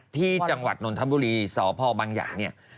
ที่จังหวัดนทบุรีสพบังยาย